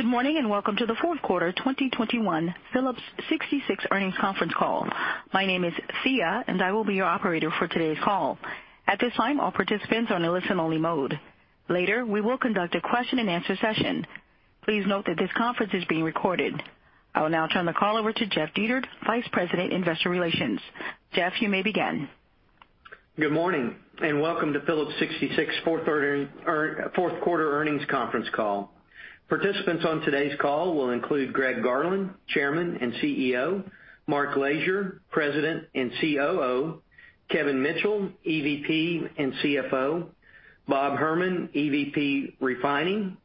Good morning, and welcome to the fourth quarter 2021 Phillips 66 earnings conference call. My name is Thea, and I will be your operator for today's call. At this time, all participants are in listen-only mode. Later, we will conduct a question-and-answer session. Please note that this conference is being recorded. I will now turn the call over to Jeff Dietert, Vice President, Investor Relations. Jeff, you may begin. Good morning, and welcome to Phillips 66 fourth quarter earnings conference call. Participants on today's call will include Greg Garland, Chairman and CEO, Mark Lashier, President and COO, Kevin Mitchell, EVP and CFO, Bob Herman, EVP Refining,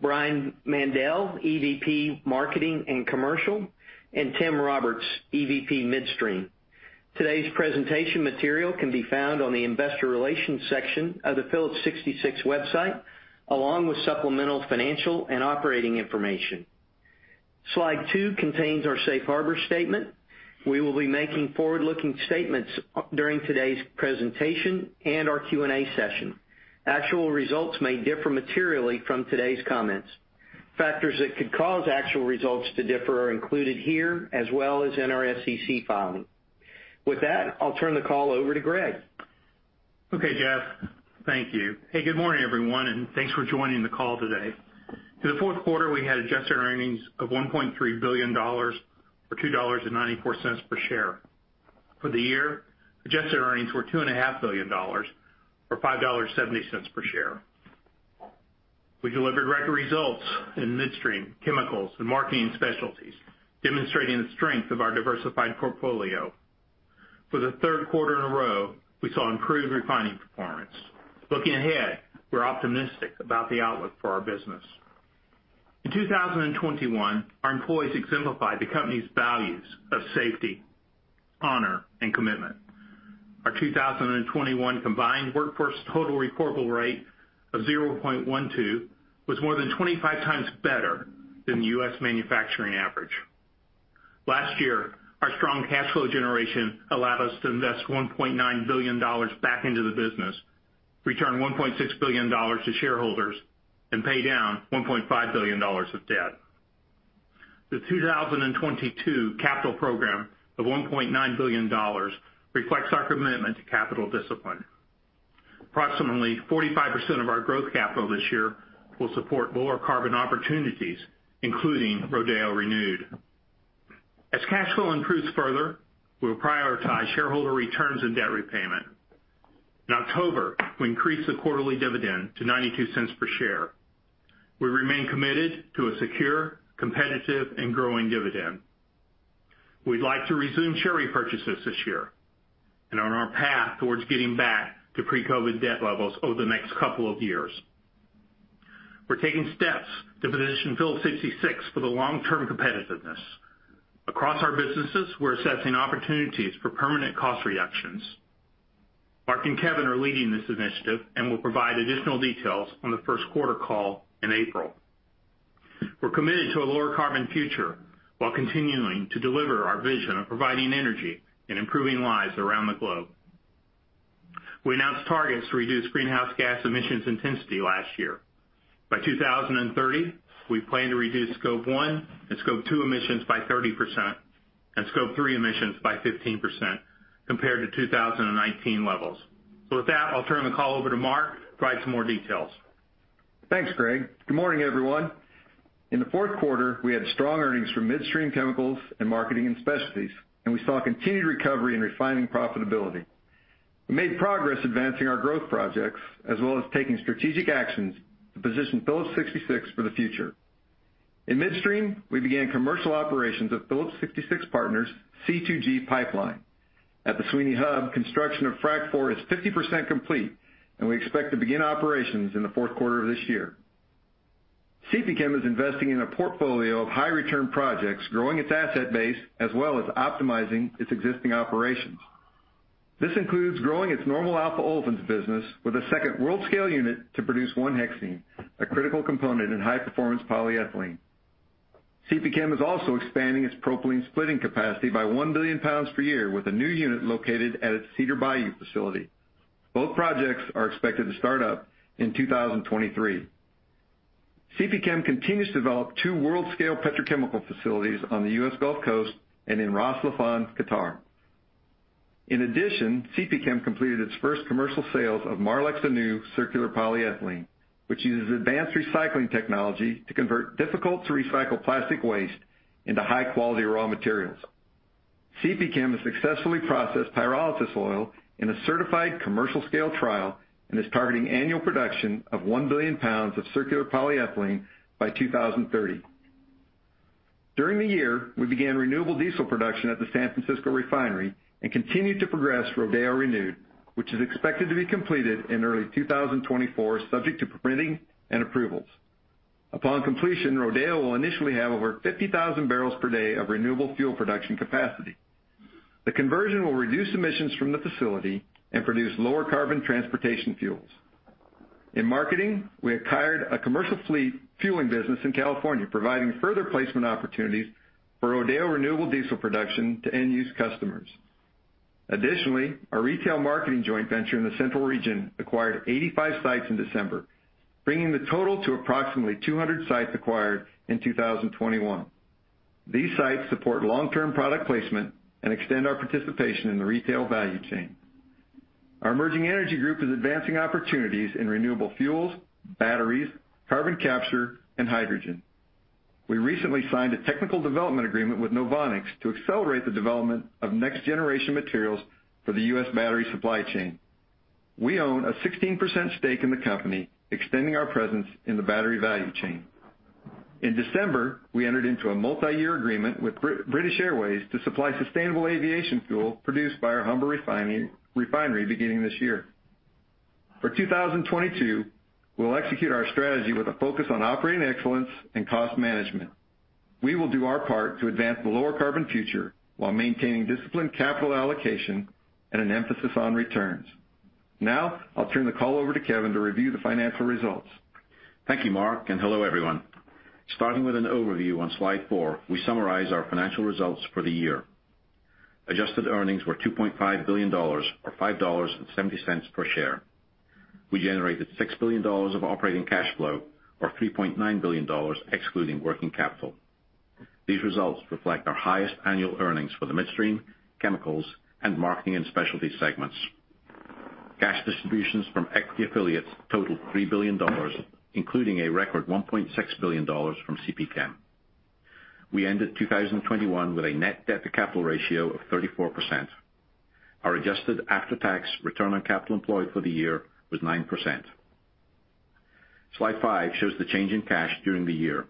Brian Mandell, EVP Marketing and Commercial, and Tim Roberts, EVP Midstream. Today's presentation material can be found on the investor relations section of the Phillips 66 website, along with supplemental financial and operating information. Slide two contains our safe harbor statement. We will be making forward-looking statements during today's presentation and our Q&A session. Actual results may differ materially from today's comments. Factors that could cause actual results to differ are included here as well as in our SEC filing. With that, I'll turn the call over to Greg. Okay, Jeff. Thank you. Hey, good morning, everyone, and thanks for joining the call today. In the fourth quarter, we had adjusted earnings of $1.3 billion or $2.94 per share. For the year, adjusted earnings were $2.5 billion or $5.70 per share. We delivered record results in midstream, chemicals, and marketing specialties, demonstrating the strength of our diversified portfolio. For the third quarter in a row, we saw improved refining performance. Looking ahead, we're optimistic about the outlook for our business. In 2021, our employees exemplified the company's values of safety, honor, and commitment. Our 2021 combined workforce total recordable rate of 0.12 was more than 25x better than the U.S. manufacturing average. Last year, our strong cash flow generation allowed us to invest $1.9 billion back into the business, return $1.6 billion to shareholders, and pay down $1.5 billion of debt. The 2022 capital program of $1.9 billion reflects our commitment to capital discipline. Approximately 45% of our growth capital this year will support lower carbon opportunities, including Rodeo Renewed. As cash flow improves further, we'll prioritize shareholder returns and debt repayment. In October, we increased the quarterly dividend to $0.92 per share. We remain committed to a secure, competitive and growing dividend. We'd like to resume share repurchases this year and are on our path towards getting back to pre-COVID debt levels over the next couple of years. We're taking steps to position Phillips 66 for the long-term competitiveness. Across our businesses, we're assessing opportunities for permanent cost reductions. Mark and Kevin are leading this initiative and will provide additional details on the first quarter call in April. We're committed to a lower carbon future while continuing to deliver our vision of providing energy and improving lives around the globe. We announced targets to reduce greenhouse gas emissions intensity last year. By 2030, we plan to reduce scope one and scope two emissions by 30% and scope three emissions by 15% compared to 2019 levels. With that, I'll turn the call over to Mark to provide some more details. Thanks, Greg. Good morning, everyone. In the fourth quarter, we had strong earnings from midstream chemicals and marketing and specialties, and we saw continued recovery in refining profitability. We made progress advancing our growth projects as well as taking strategic actions to position Phillips 66 for the future. In midstream, we began commercial operations of Phillips 66 Partners' C2G Pipeline. At the Sweeny Hub, construction of Frac IV is 50% complete, and we expect to begin operations in the fourth quarter of this year. CPChem is investing in a portfolio of high return projects, growing its asset base as well as optimizing its existing operations. This includes growing its normal alpha olefins business with a second world scale unit to produce 1-hexene, a critical component in high performance polyethylene. CPChem is also expanding its propylene splitting capacity by 1 billion pounds per year with a new unit located at its Cedar Bayou facility. Both projects are expected to start up in 2023. CPChem continues to develop two world-scale petrochemical facilities on the U.S. Gulf Coast and in Ras Laffan, Qatar. In addition, CPChem completed its first commercial sales of Marlex Anew Circular Polyethylene, which uses advanced recycling technology to convert difficult to recycle plastic waste into high-quality raw materials. CPChem has successfully processed pyrolysis oil in a certified commercial scale trial and is targeting annual production of 1 billion pounds of circular polyethylene by 2030. During the year, we began renewable diesel production at the San Francisco refinery and continued to progress Rodeo Renewed, which is expected to be completed in early 2024, subject to permitting and approvals. Upon completion, Rodeo will initially have over 50,000 barrels per day of renewable fuel production capacity. The conversion will reduce emissions from the facility and produce lower carbon transportation fuels. In marketing, we acquired a commercial fleet fueling business in California, providing further placement opportunities for Rodeo renewable diesel production to end-use customers. Additionally, our retail marketing joint venture in the central region acquired 85 sites in December, bringing the total to approximately 200 sites acquired in 2021. These sites support long-term product placement and extend our participation in the retail value chain. Our emerging energy group is advancing opportunities in renewable fuels, batteries, carbon capture, and hydrogen. We recently signed a technical development agreement with NOVONIX to accelerate the development of next-generation materials for the U.S. battery supply chain. We own a 16% stake in the company, extending our presence in the battery value chain. In December, we entered into a multi-year agreement with British Airways to supply sustainable aviation fuel produced by our Humber Refinery beginning this year. For 2022, we'll execute our strategy with a focus on operating excellence and cost management. We will do our part to advance the lower carbon future while maintaining disciplined capital allocation and an emphasis on returns. Now, I'll turn the call over to Kevin to review the financial results. Thank you, Mark, and hello everyone. Starting with an overview on slide four, we summarize our financial results for the year. Adjusted earnings were $2.5 billion or $5.70 per share. We generated $6 billion of operating cash flow or $3.9 billion excluding working capital. These results reflect our highest annual earnings for the midstream, chemicals, and marketing and specialty segments. Cash distributions from equity affiliates totaled $3 billion, including a record $1.6 billion from CPChem. We ended 2021 with a net debt to capital ratio of 34%. Our adjusted after-tax return on capital employed for the year was 9%. Slide five shows the change in cash during the year.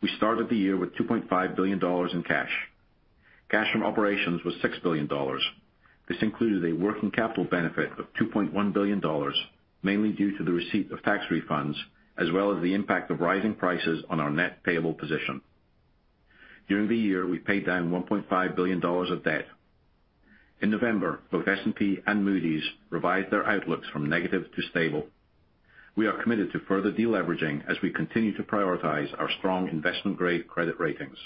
We started the year with $2.5 billion in cash. Cash from operations was $6 billion. This included a working capital benefit of $2.1 billion, mainly due to the receipt of tax refunds, as well as the impact of rising prices on our net payable position. During the year, we paid down $1.5 billion of debt. In November, both S&P and Moody's revised their outlooks from negative to stable. We are committed to further deleveraging as we continue to prioritize our strong investment-grade credit ratings.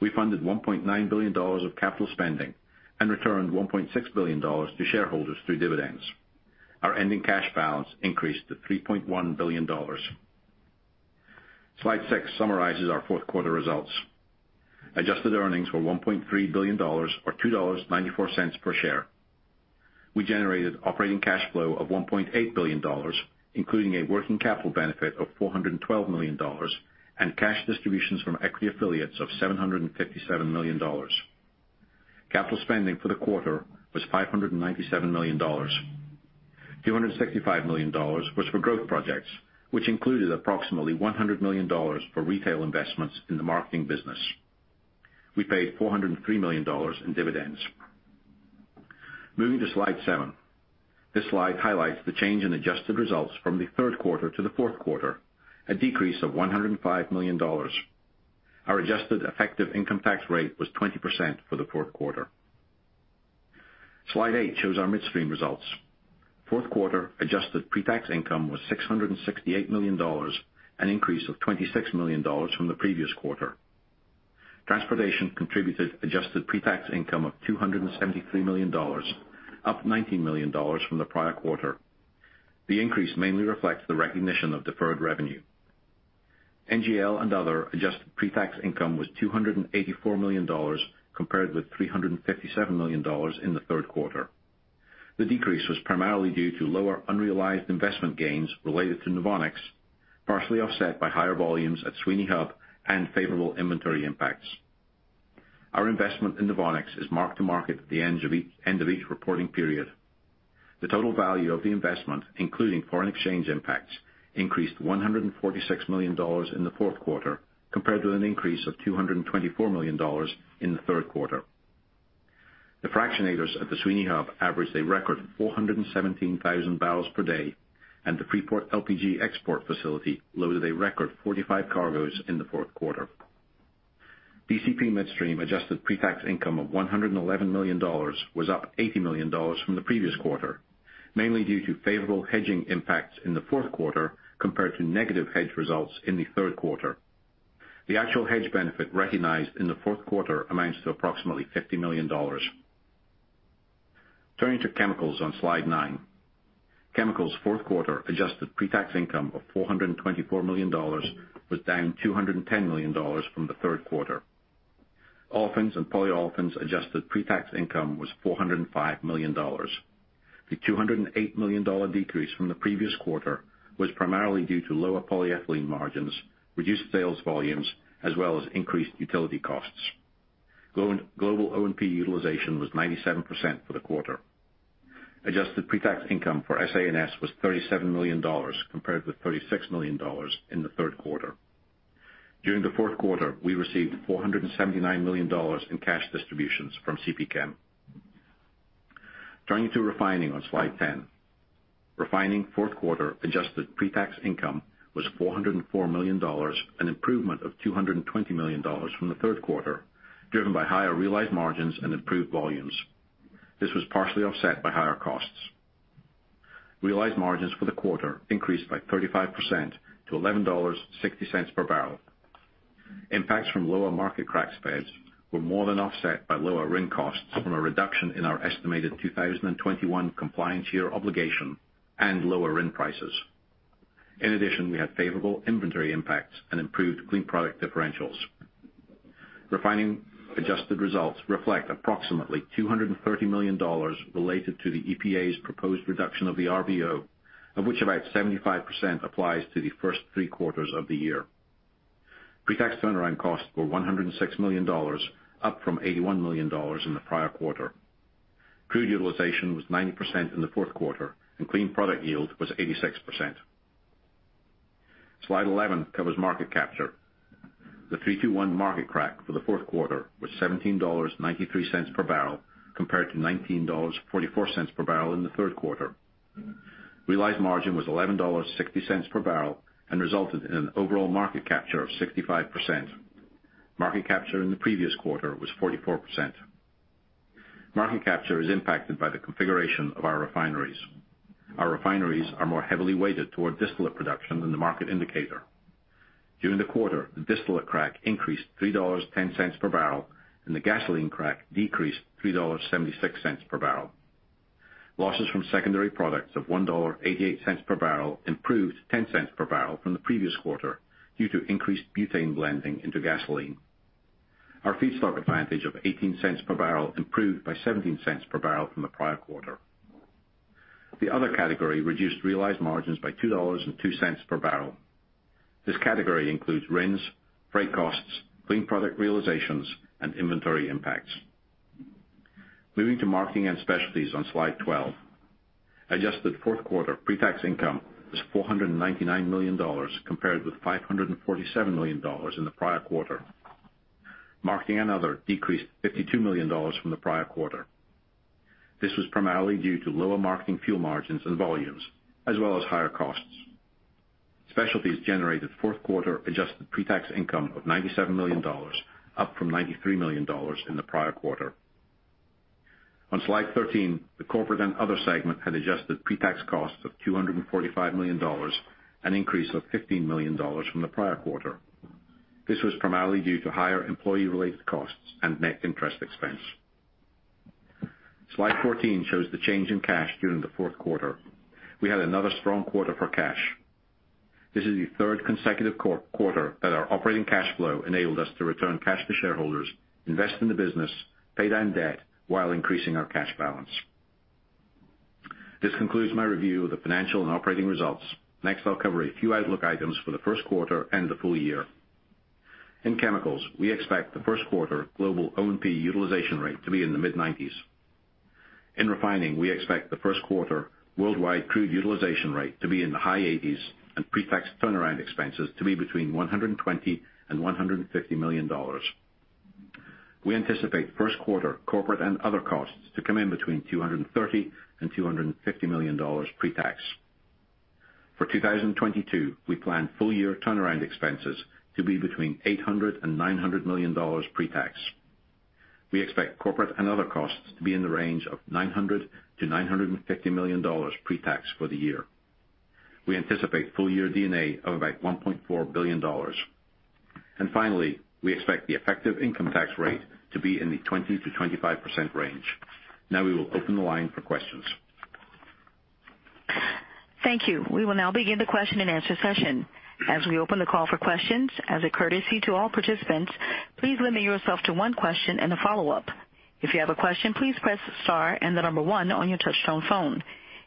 We funded $1.9 billion of capital spending and returned $1.6 billion to shareholders through dividends. Our ending cash balance increased to $3.1 billion. Slide six summarizes our fourth quarter results. Adjusted earnings were $1.3 billion or $2.94 per share. We generated operating cash flow of $1.8 billion, including a working capital benefit of $412 million and cash distributions from equity affiliates of $757 million. Capital spending for the quarter was $597 million. $265 million was for growth projects, which included approximately $100 million for retail investments in the marketing business. We paid $403 million in dividends. Moving to slide seven. This slide highlights the change in adjusted results from the third quarter to the fourth quarter, a decrease of $105 million. Our adjusted effective income tax rate was 20% for the fourth quarter. Slide eight shows our midstream results. Fourth quarter adjusted pre-tax income was $668 million, an increase of $26 million from the previous quarter. Transportation contributed adjusted pre-tax income of $273 million, up $19 million from the prior quarter. The increase mainly reflects the recognition of deferred revenue. NGL and other adjusted pre-tax income was $284 million, compared with $357 million in the third quarter. The decrease was primarily due to lower unrealized investment gains related to NOVONIX, partially offset by higher volumes at Sweeny Hub and favorable inventory impacts. Our investment in NOVONIX is mark-to-market at the end of each reporting period. The total value of the investment, including foreign exchange impacts, increased $146 million in the fourth quarter compared with an increase of $224 million in the third quarter. The fractionators at the Sweeny Hub averaged a record 417,000 barrels per day, and the Freeport LPG export facility loaded a record 45 cargos in the fourth quarter. DCP Midstream adjusted pre-tax income of $111 million was up $80 million from the previous quarter, mainly due to favorable hedging impacts in the fourth quarter compared to negative hedge results in the third quarter. The actual hedge benefit recognized in the fourth quarter amounts to approximately $50 million. Turning to chemicals on slide nine. Chemicals' fourth quarter adjusted pre-tax income of $424 million was down $210 million from the third quarter. Olefins and polyolefins adjusted pre-tax income was $405 million. The $208 million decrease from the previous quarter was primarily due to lower polyethylene margins, reduced sales volumes, as well as increased utility costs. Global O&P utilization was 97% for the quarter. Adjusted pre-tax income for SA&S was $37 million, compared with $36 million in the third quarter. During the fourth quarter, we received $479 million in cash distributions from CPChem. Turning to refining on slide 10. Refining fourth quarter adjusted pre-tax income was $404 million, an improvement of $220 million from the third quarter, driven by higher realized margins and improved volumes. This was partially offset by higher costs. Realized margins for the quarter increased by 35% to $11.60 per barrel. Impacts from lower market crack spreads were more than offset by lower RIN costs from a reduction in our estimated 2021 compliance year obligation and lower RIN prices. In addition, we had favorable inventory impacts and improved clean product differentials. Refining adjusted results reflect approximately $230 million related to the EPA's proposed reduction of the RVO, of which about 75% applies to the first three quarters of the year. Pre-tax turnaround costs were $106 million, up from $81 million in the prior quarter. Crude utilization was 90% in the fourth quarter, and clean product yield was 86%. Slide 11 covers market capture. The three-two-one market crack for the fourth quarter was $17.93 per barrel compared to $19.44 per barrel in the third quarter. Realized margin was $11.60 per barrel and resulted in an overall market capture of 65%. Market capture in the previous quarter was 44%. Market capture is impacted by the configuration of our refineries. Our refineries are more heavily weighted toward distillate production than the market indicator. During the quarter, the distillate crack increased $3.10 per barrel and the gasoline crack decreased $3.76 per barrel. Losses from secondary products of $1.88 per barrel improved $0.10 per barrel from the previous quarter due to increased butane blending into gasoline. Our feedstock advantage of $0.18 per barrel improved by $0.17 per barrel from the prior quarter. The other category reduced realized margins by $2.02 per barrel. This category includes RINs, freight costs, clean product realizations and inventory impacts. Moving to marketing and specialties on slide 12. Adjusted fourth quarter pre-tax income was $499 million compared with $547 million in the prior quarter. Marketing and other decreased $52 million from the prior quarter. This was primarily due to lower marketing fuel margins and volumes as well as higher costs. Specialties generated fourth quarter adjusted pre-tax income of $97 million, up from $93 million in the prior quarter. On slide 13, the corporate and other segment had adjusted pre-tax costs of $245 million, an increase of $15 million from the prior quarter. This was primarily due to higher employee-related costs and net interest expense. Slide 14 shows the change in cash during the fourth quarter. We had another strong quarter for cash. This is the third consecutive quarter that our operating cash flow enabled us to return cash to shareholders, invest in the business, pay down debt while increasing our cash balance. This concludes my review of the financial and operating results. Next, I'll cover a few outlook items for the first quarter and the full year. In Chemicals, we expect the first quarter global O&P utilization rate to be in the mid-90s%. In Refining, we expect the first quarter worldwide crude utilization rate to be in the high 80s% and pre-tax turnaround expenses to be between $120 million and $150 million. We anticipate first quarter corporate and other costs to come in between $230 million and $250 million pre-tax. For 2022, we plan full-year turnaround expenses to be between $800 million and $900 million pre-tax. We expect corporate and other costs to be in the range of $900 million-$950 million pre-tax for the year. We anticipate full-year DD&A of about $1.4 billion. Finally, we expect the effective income tax rate to be in the 20%-25% range. Now we will open the line for questions. Thank you. We will now begin the question-and-answer session. As we open the call for questions, as a courtesy to all participants, please limit yourself to one question and a follow-up. If you have a question, please press star and the number one on your touchtone phone.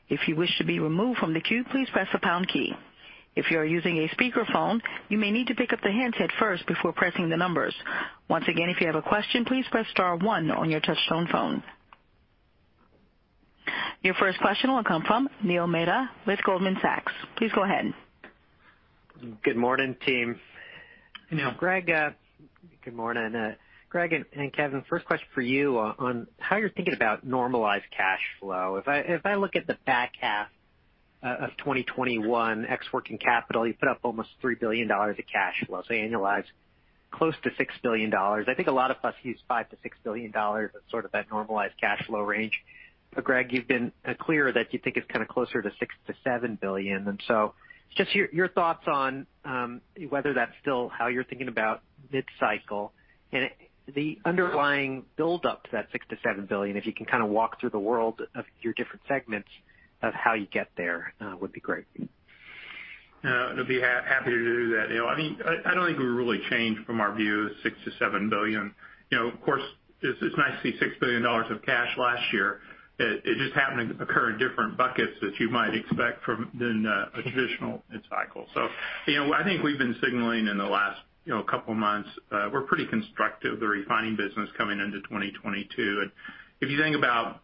If you wish to be removed from the queue, please press the pound key. If you are using a speakerphone, you may need to pick up the handset first before pressing the numbers. Once again, if you have a question, please press star one on your touchtone phone. Your first question will come from Neil Mehta with Goldman Sachs. Please go ahead. Good morning, team. Good morning. Greg. Good morning. Greg and Kevin, first question for you on how you're thinking about normalized cash flow. If I look at the back half of 2021 ex working capital, you put up almost $3 billion of cash flow, so annualized close to $6 billion. I think a lot of us use $5 billion-$6 billion as sort of that normalized cash flow range. But Greg, you've been clear that you think it's kind of closer to $6 billion-$7 billion. Just your thoughts on whether that's still how you're thinking about mid-cycle and the underlying build up to that $6 billion-$7 billion, if you can kind of walk through the world of your different segments of how you get there, would be great. I'd be happy to do that. I mean, I don't think we really changed from our view of $6 billion-$7 billion. Of course, it's nice to see $6 billion of cash last year. It just happened to occur in different buckets as you might expect from a traditional mid-cycle. I think we've been signaling in the last couple of months, we're pretty constructive, the refining business coming into 2022. If you think about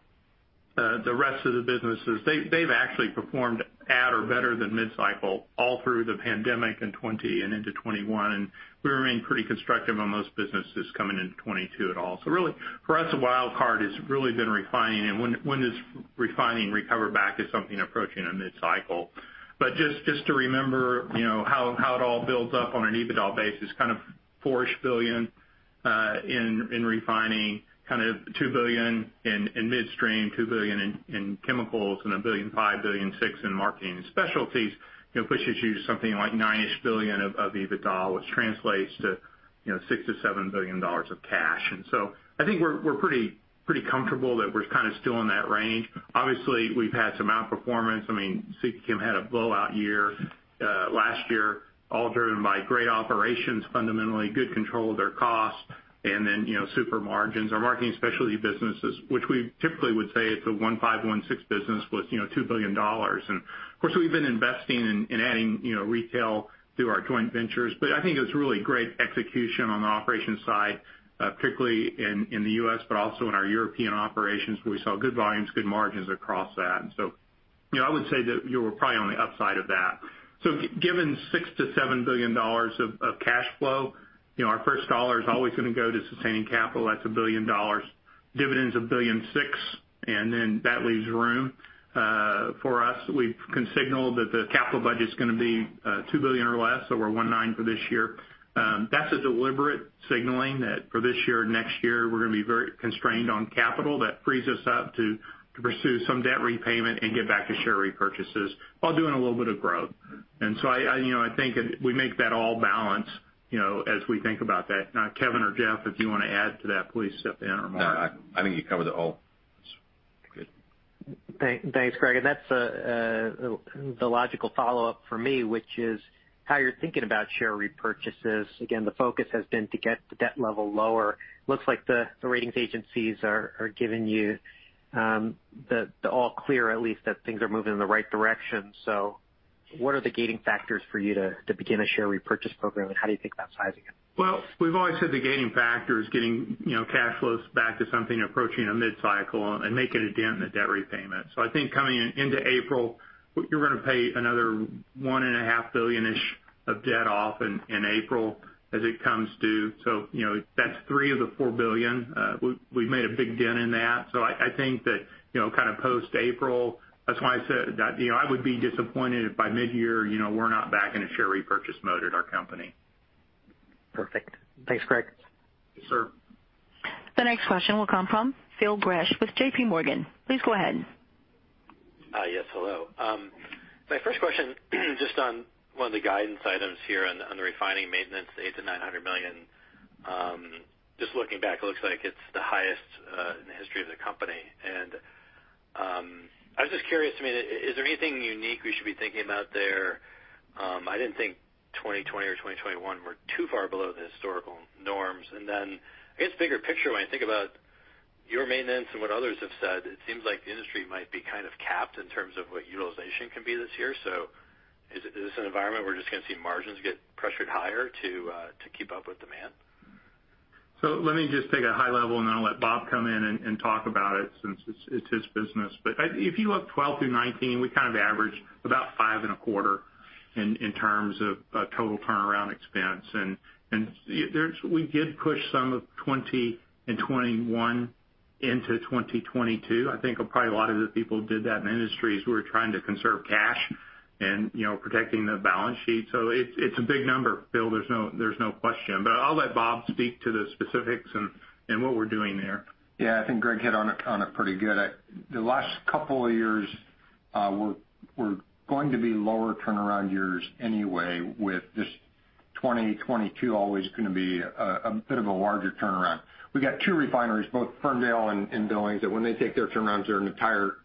the rest of the businesses, they've actually performed at or better than mid-cycle all through the pandemic in 2020 and into 2021, and we remain pretty constructive on those businesses coming into 2022 at all. Really for us, the wild card has really been refining. When does refining recover back to something approaching a mid-cycle? Just to remember how it all builds up on an EBITDA basis, kind of $4 billion. In refining kind of $2 billion in midstream, $2 billion in chemicals, and $1.5 billion-$1.6 billion in marketing and specialties, pushes you to something like $9-ish billion of EBITDA, which translates to $6 billion-$7 billion of cash. I think we're pretty comfortable that we're kind of still in that range. Obviously, we've had some outperformance. I mean, CPChem had a blowout year last year, all driven by great operations, fundamentally good control of their costs and then super margins. Our marketing specialty businesses, which we typically would say it's a $1.5, $1.6 business, was, you know, $2 billion. Of course, we've been investing in adding retail through our joint ventures. I think it was really great execution on the operations side, particularly in the US, but also in our European operations, where we saw good volumes, good margins across that. I would say that you were probably on the upside of that. Given $6 billion-$7 billion of cash flow our first dollar is always gonna go to sustaining capital. That's $1 billion. Dividend's $1.6 billion, and then that leaves room for us. We can signal that the capital budget's gonna be $2 billion or less, so we're $1.9 billion for this year. That's a deliberate signaling that for this year, next year, we're gonna be very constrained on capital. That frees us up to pursue some debt repayment and get back to share repurchases while doing a little bit of growth. I you know, I think we make that all balance, you know, as we think about that. Now, Kevin or Jeff, if you wanna add to that, please step in or- No, I think you covered it all. Good. Thanks, Greg. That's the logical follow-up for me, which is how you're thinking about share repurchases. Again, the focus has been to get the debt level lower. Looks like the ratings agencies are giving you the all clear, at least that things are moving in the right direction. What are the gating factors for you to begin a share repurchase program, and how do you think about sizing it? Well, we've always said the gating factor is getting, you know, cash flows back to something approaching a mid-cycle and making a dent in the debt repayment. I think coming into April, you're gonna pay another $1.5 billion-ish of debt off in April as it comes due. That's three of the $4 billion. We've made a big dent in that. I think that, you know, kind of post-April, that's why I said that I would be disappointed if by mid-year we're not back in a share repurchase mode at our company. Perfect. Thanks, Greg. Yes, sir. The next question will come from Phil Gresh with JPMorgan. Please go ahead. Yes, hello. My first question, just on one of the guidance items here on the refining maintenance, the $800 million-$900 million. Just looking back, it looks like it's the highest in the history of the company. I was just curious, I mean, is there anything unique we should be thinking about there? I didn't think 2020 or 2021 were too far below the historical norms. I guess bigger picture, when I think about your maintenance and what others have said, it seems like the industry might be kind of capped in terms of what utilization can be this year. Is this an environment where we're just gonna see margins get pressured higher to keep up with demand? Let me just take a high level, and then I'll let Bob Herman come in and talk about it since it's his business. If you look 2012-2019, we kind of average about $5.25 in terms of total turnaround expense. We did push some of 2020 and 2021 into 2022. I think probably a lot of the people did that in industries who were trying to conserve cash and protecting the balance sheet. It's a big number, Phil. There's no question. I'll let Bob speak to the specifics and what we're doing there. Yeah. I think Greg hit on it pretty good. The last couple of years were going to be lower turnaround years anyway, with just 2022 always gonna be a bit of a larger turnaround. We got two refineries, both Ferndale and Billings, that when they take their turnarounds, they're an entire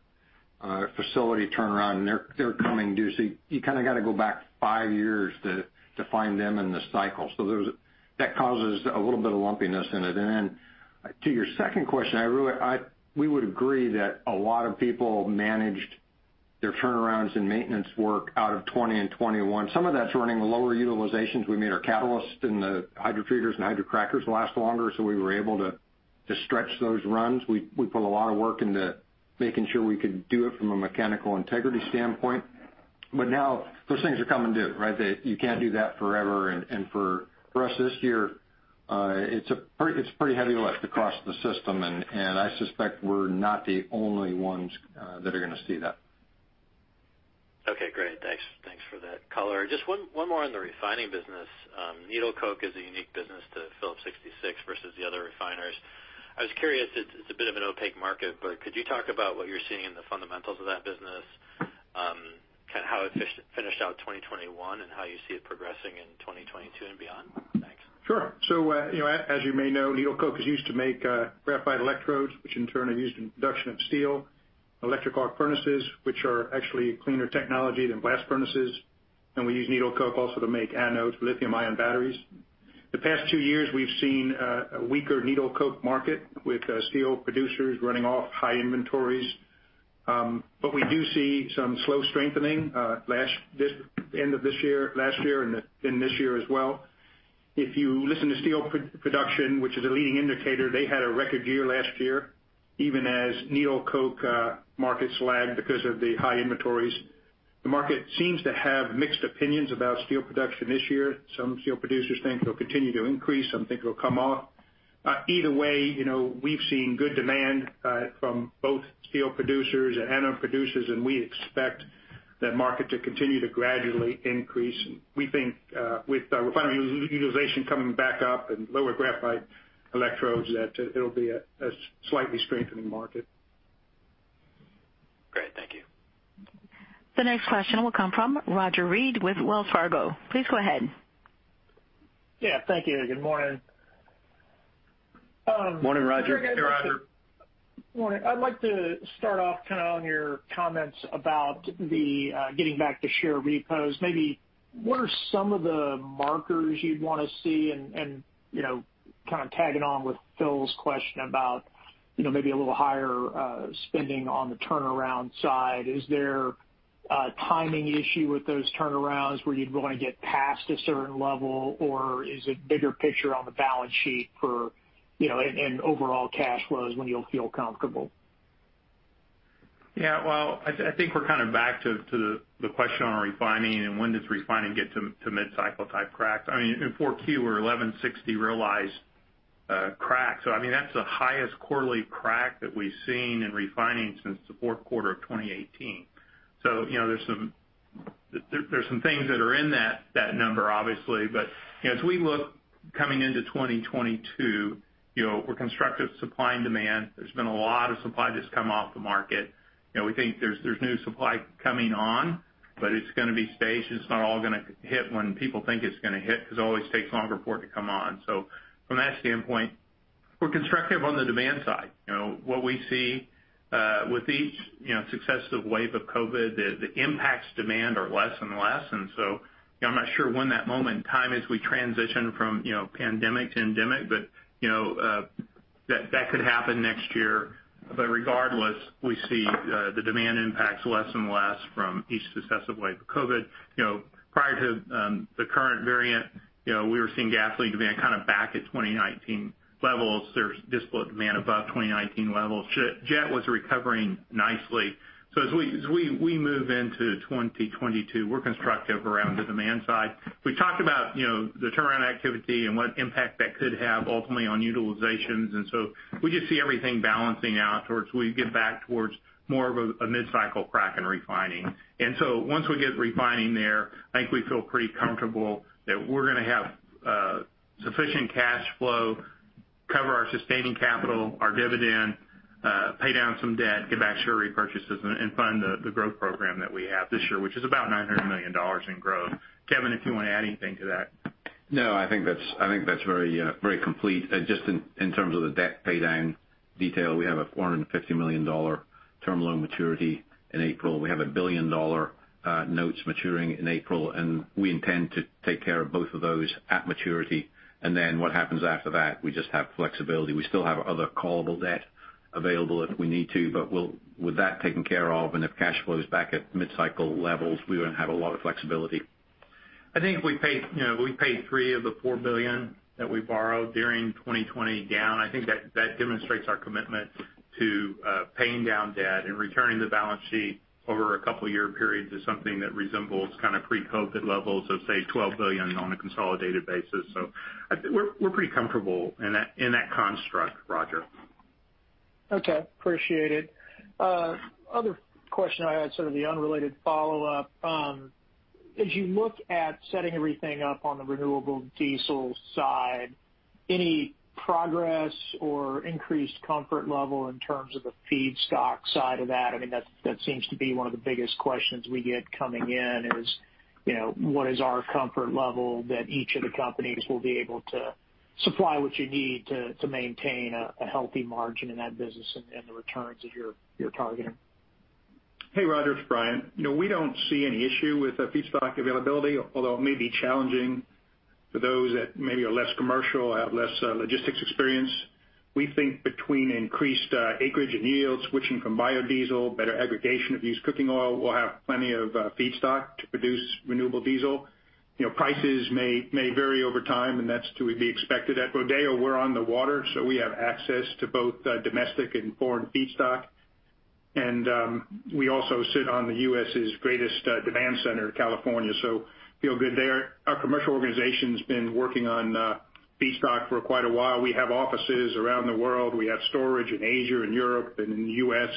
facility turnaround, and they're coming due. So you kinda gotta go back five years to find them in the cycle. So that causes a little bit of lumpiness in it. And then to your second question, we would agree that a lot of people managed their turnarounds and maintenance work out of 2020 and 2021. Some of that's running lower utilizations. We made our catalyst and the hydrotreaters and hydrocrackers last longer, so we were able to stretch those runs. We put a lot of work into making sure we could do it from a mechanical integrity standpoint. Now those things are coming due, right? You can't do that forever. For us this year, it's a pretty heavy lift across the system, and I suspect we're not the only ones that are gonna see that. Okay, great. Thanks. Thanks for that color. Just one more on the refining business. Needle coke is a unique business to Phillips 66 versus the other refiners. I was curious, it's a bit of an opaque market, but could you talk about what you're seeing in the fundamentals of that business, kind of how it finished out 2021, and how you see it progressing in 2022 and beyond? Thanks. Sure. As you may know, needle coke is used to make graphite electrodes, which in turn are used in production of steel, electric arc furnaces, which are actually cleaner technology than blast furnaces, and we use needle coke also to make anodes for lithium-ion batteries. In the past two years, we've seen a weaker needle coke market with steel producers running off high inventories. We do see some slow strengthening at the end of last year and this year as well. If you listen to steel production, which is a leading indicator, they had a record year last year, even as needle coke markets lagged because of the high inventories. The market seems to have mixed opinions about steel production this year. Some steel producers think it'll continue to increase. Some think it'll come off. Either way, you know, we've seen good demand from both steel producers and anode producers, and we expect that market to continue to gradually increase. We think, with refinery utilization coming back up and lower graphite electrodes, that it'll be a slightly strengthening market. Great. Thank you. The next question will come from Roger Read with Wells Fargo. Please go ahead. Yeah, thank you. Good morning. Morning, Roger. Morning, Roger. Morning. I'd like to start off kind of on your comments about the getting back to share repos. Maybe what are some of the markers you'd wanna see? Kind of tagging on with Phil's question about, you know, maybe a little higher spending on the turnaround side, is there a timing issue with those turnarounds where you'd wanna get past a certain level or is it bigger picture on the balance sheet for and overall cash flows when you'll feel comfortable? Yeah. Well, I think we're kind of back to the question on refining and when does refining get to mid-cycle type cracks. I mean, in 4Q, we're $11.60 realized crack. So I mean, that's the highest quarterly crack that we've seen in refining since the fourth quarter of 2018. There's some things that are in that number, obviously. As we look coming into 2022 we're constructive supply and demand. There's been a lot of supply that's come off the market. You know, we think there's new supply coming on, but it's gonna be staged. It's not all gonna hit when people think it's gonna hit because it always takes longer for it to come on. So from that standpoint, we're constructive on the demand side. You know, what we see with each successive wave of COVID, the impacts on demand are less and less. I'm not sure when that moment in time, as we transition from pandemic to endemic, but that could happen next year. Regardless, we see the demand impacts less and less from each successive wave of COVID. You know, prior to the current variant we were seeing gasoline demand kind of back at 2019 levels. There's diesel demand above 2019 levels. Jet was recovering nicely. As we move into 2022, we're constructive around the demand side. We talked about the turnaround activity and what impact that could have ultimately on utilizations. We just see everything balancing out towards more of a mid-cycle crack in refining. Once we get refining there, I think we feel pretty comfortable that we're gonna have sufficient cash flow, cover our sustaining capital, our dividend, pay down some debt, give back share repurchases, and fund the growth program that we have this year, which is about $900 million in growth. Kevin, if you wanna add anything to that. No, I think that's very complete. Just in terms of the debt pay down detail, we have a $450 million term loan maturity in April. We have a $1 billion notes maturing in April, and we intend to take care of both of those at maturity. Then what happens after that, we just have flexibility. We still have other callable debt available if we need to, but with that taken care of and if cash flow is back at mid-cycle levels, we're gonna have a lot of flexibility. I think we paid three of the $4 billion that we borrowed during 2020 down. I think that demonstrates our commitment to paying down debt and returning the balance sheet over a couple year periods is something that resembles kind of pre-COVID levels of, say, $12 billion on a consolidated basis. We're pretty comfortable in that construct, Roger. Okay. I appreciate it. Other question I had, sort of the unrelated follow-up. As you look at setting everything up on the renewable diesel side, any progress or increased comfort level in terms of the feedstock side of that? I mean, that seems to be one of the biggest questions we get coming in is, you know, what is our comfort level that each of the companies will be able to supply what you need to maintain a healthy margin in that business and the returns that you're targeting. Hey, Roger, it's Brian. We don't see any issue with the feedstock availability, although it may be challenging for those that maybe are less commercial, have less logistics experience. We think between increased acreage and yields switching from biodiesel, better aggregation of used cooking oil, we'll have plenty of feedstock to produce renewable diesel. Prices may vary over time, and that's to be expected. At Rodeo, we're on the water, so we have access to both domestic and foreign feedstock. We also sit on the U.S.'s greatest demand center, California, so feel good there. Our commercial organization's been working on feedstock for quite a while. We have offices around the world. We have storage in Asia and Europe and in the U.S.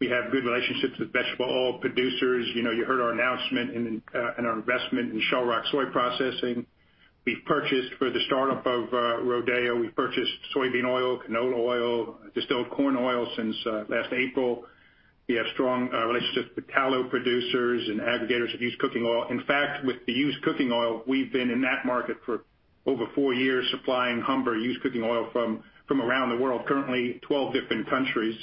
We have good relationships with vegetable oil producers. You know, you heard our announcement in our investment in Shell Rock Soy Processing. We've purchased for the startup of Rodeo, we've purchased soybean oil, canola oil, distillers corn oil since last April. We have strong relationships with tallow producers and aggregators of used cooking oil. In fact, with the used cooking oil, we've been in that market for over four years, supplying Humber used cooking oil from around the world, currently 12 different countries.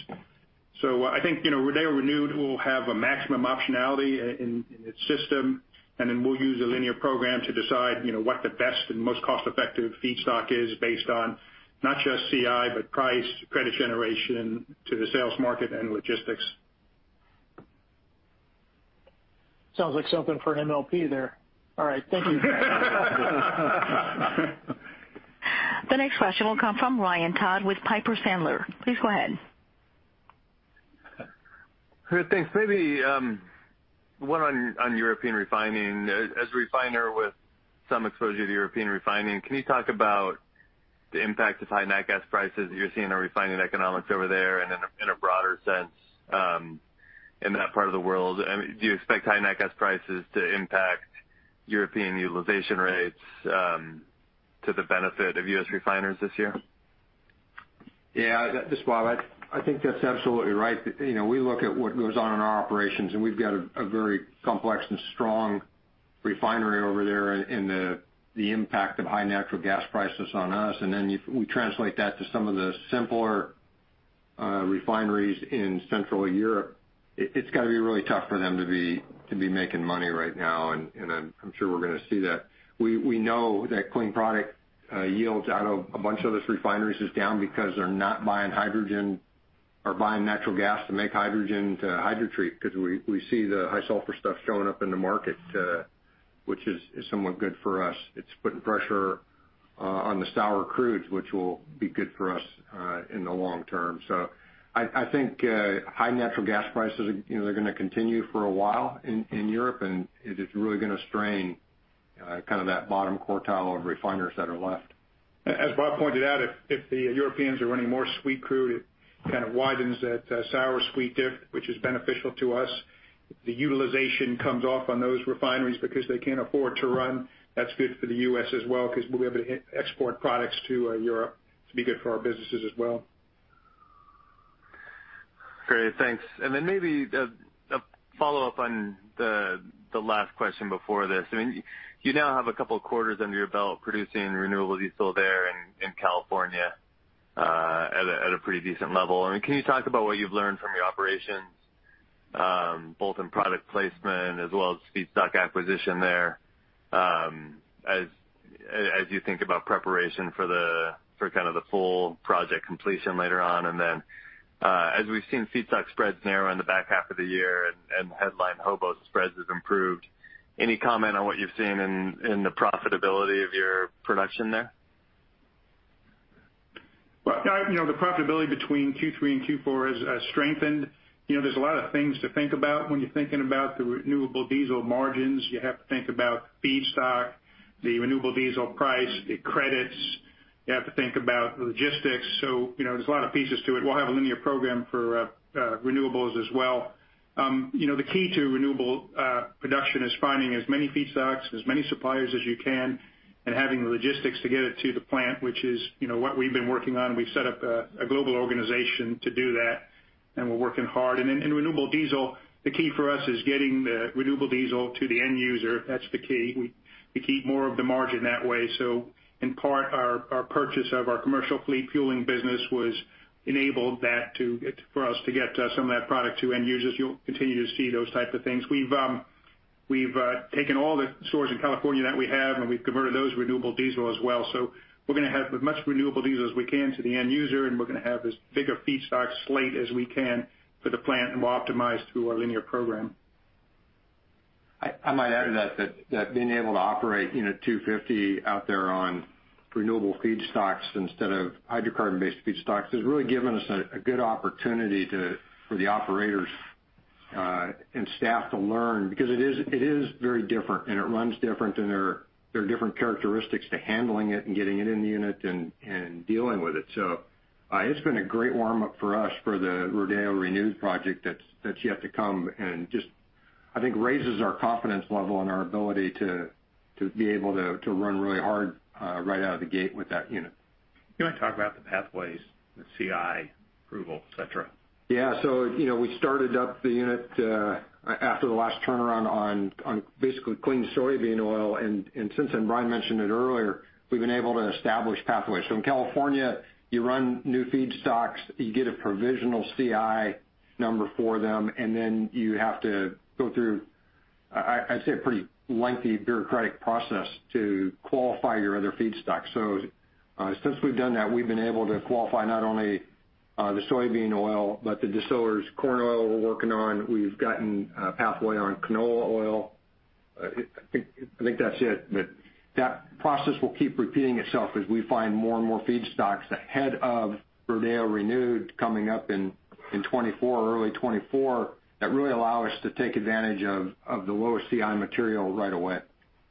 I think Rodeo Renewed will have a maximum optionality in its system, and then we'll use a linear program to decide what the best and most cost-effective feedstock is based on not just CI, but price, credit generation to the sales market and logistics. Sounds like something for an MLP there. All right. Thank you. The next question will come from Ryan Todd with Piper Sandler. Please go ahead. Sure. Thanks. Maybe one on European refining. As a refiner with some exposure to European refining, can you talk about the impact of high nat gas prices you're seeing on refining economics over there and in a broader sense in that part of the world? Do you expect high nat gas prices to impact European utilization rates? To the benefit of U.S. refiners this year? Yeah, this is Bob. I think that's absolutely right. We look at what goes on in our operations, and we've got a very complex and strong refinery over there, in the impact of high natural gas prices on us. Then if we translate that to some of the simpler refineries in Central Europe, it's gotta be really tough for them to be making money right now. I'm sure we're gonna see that. We know that clean product yields out of a bunch of those refineries is down because they're not buying hydrogen or buying natural gas to make hydrogen to hydrotreat because we see the high sulfur stuff showing up in the market, which is somewhat good for us. It's putting pressure on the sour crudes, which will be good for us in the long-term. I think high natural gas prices are, you know, they're gonna continue for a while in Europe, and it is really gonna strain kind of that bottom quartile of refiners that are left. As Bob pointed out, if the Europeans are running more sweet crude, it kind of widens that sour/sweet dip, which is beneficial to us. The utilization comes off on those refineries because they can't afford to run. That's good for the U.S. as well because we'll be able to export products to Europe to be good for our businesses as well. Great. Thanks. Then maybe a follow-up on the last question before this. I mean, you now have a couple of quarters under your belt producing renewable diesel there in California at a pretty decent level. I mean, can you talk about what you've learned from your operations both in product placement as well as feedstock acquisition there as you think about preparation for kind of the full project completion later on? As we've seen feedstock spreads narrow in the back half of the year and headline HOBO spread has improved, any comment on what you've seen in the profitability of your production there? Well, you know, the profitability between Q3 and Q4 has strengthened. There's a lot of things to think about when you're thinking about the renewable diesel margins. You have to think about feedstock, the renewable diesel price, the credits. You have to think about logistics. So there's a lot of pieces to it. We'll have a linear program for renewables as well. The key to renewable production is finding as many feedstocks, as many suppliers as you can, and having the logistics to get it to the plant, which is, you know, what we've been working on. We've set up a global organization to do that, and we're working hard. In renewable diesel, the key for us is getting the renewable diesel to the end user. That's the key. We keep more of the margin that way. In part, our purchase of our commercial fleet fueling business was enabled for us to get some of that product to end users. You'll continue to see those type of things. We've taken all the stores in California that we have, and we've converted those to renewable diesel as well. We're gonna have as much renewable diesel as we can to the end user, and we're gonna have as big a feedstock slate as we can for the plant, and we'll optimize through our linear program. I might add to that being able to operate 250 out there on renewable feedstocks instead of hydrocarbon-based feedstocks has really given us a good opportunity for the operators and staff to learn because it is very different and it runs different and there are different characteristics to handling it and getting it in the unit and dealing with it. It's been a great warm-up for us for the Rodeo Renewed project that's yet to come and just, I think, raises our confidence level and our ability to be able to run really hard right out of the gate with that unit. Can we talk about the pathways, the CI approval, et cetera? Yeah. You know, we started up the unit after the last turnaround on basically clean soybean oil. Since then, Brian mentioned it earlier, we've been able to establish pathways. In California, you run new feedstocks, you get a provisional CI number for them, and then you have to go through, I'd say, a pretty lengthy bureaucratic process to qualify your other feedstock. Since we've done that, we've been able to qualify not only the soybean oil, but the distillers corn oil we're working on. We've gotten a pathway on canola oil. I think that's it. That process will keep repeating itself as we find more and more feedstocks ahead of Rodeo Renewed coming up in early 2024, that really allow us to take advantage of the lower CI material right away.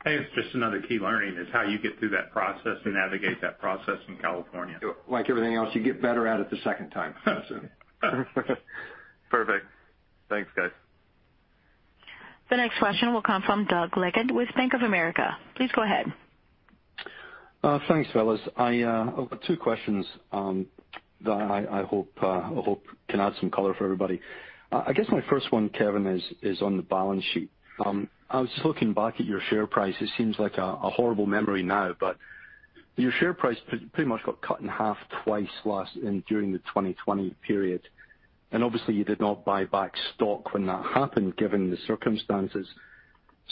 I think it's just another key learning is how you get through that process and navigate that process in California. Like everything else, you get better at it the second time, I'd say. Perfect. Thanks, guys. The next question will come from Doug Leggate with Bank of America. Please go ahead. Thanks, fellas. I've got two questions that I hope can add some color for everybody. I guess my first one, Kevin, is on the balance sheet. I was just looking back at your share price. It seems like a horrible memory now, but your share price pretty much got cut in half twice in during the 2020 period. Obviously, you did not buy back stock when that happened, given the circumstances.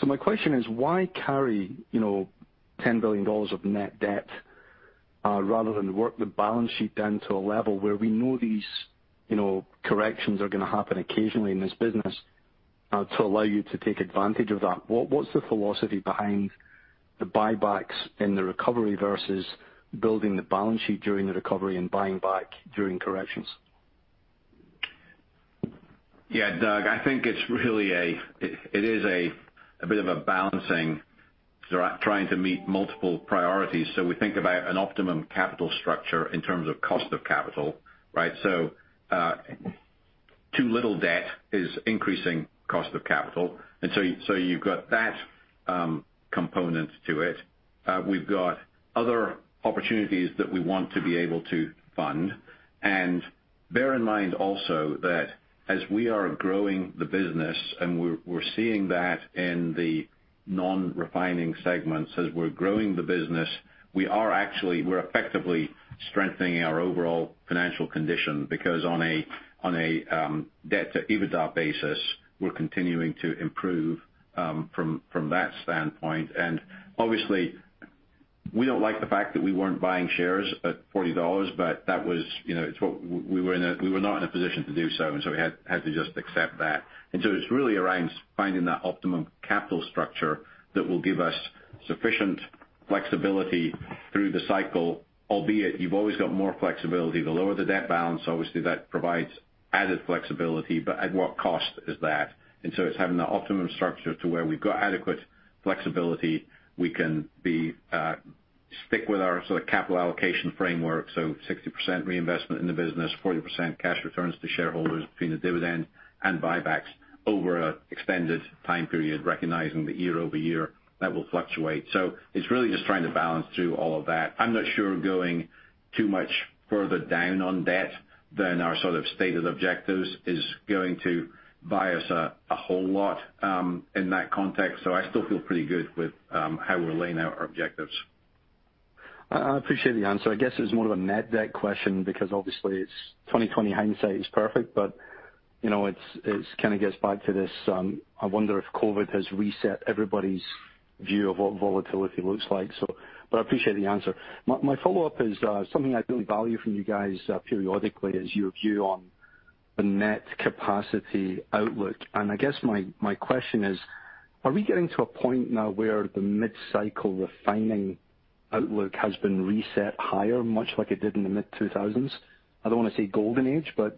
My question is, why carry $10 billion of net debt, rather than work the balance sheet down to a level where we know these corrections are gonna happen occasionally in this business, to allow you to take advantage of that? What's the philosophy behind the buybacks in the recovery versus building the balance sheet during the recovery and buying back during corrections? Yeah, Doug, I think it's really a bit of a balancing, trying to meet multiple priorities. We think about an optimum capital structure in terms of cost of capital, right? Too little debt is increasing cost of capital. You've got that component to it. We've got other opportunities that we want to be able to fund. Bear in mind also that as we are growing the business, we're seeing that in the non-refining segments, as we're growing the business, we're effectively strengthening our overall financial condition because on a debt-to-EBITDA basis, we're continuing to improve from that standpoint. Obviously, we don't like the fact that we weren't buying shares at $40, but that was it. We were not in a position to do so. We had to just accept that. It's really around finding that optimum capital structure that will give us sufficient flexibility through the cycle, albeit you've always got more flexibility. The lower the debt balance, obviously that provides added flexibility, but at what cost is that? It's having the optimum structure to where we've got adequate flexibility. We can stick with our sort of capital allocation framework. 60% reinvestment in the business, 40% cash returns to shareholders between the dividend and buybacks over an extended time period, recognizing that year-over-year that will fluctuate. It's really just trying to balance through all of that. I'm not sure going too much further down on debt than our sort of stated objectives is going to buy us a whole lot in that context. I still feel pretty good with how we're laying out our objectives. I appreciate the answer. I guess it's more of a net debt question because obviously it's 20/20 hindsight is perfect. It's kind of gets back to this, I wonder if COVID has reset everybody's view of what volatility looks like. I appreciate the answer. My follow-up is something I really value from you guys periodically is your view on the net capacity outlook. I guess my question is, are we getting to a point now where the mid-cycle refining outlook has been reset higher, much like it did in the mid-2000s? I don't want to say golden age, but